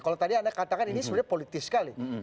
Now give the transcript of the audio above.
kalau tadi anda katakan ini sebenarnya politis sekali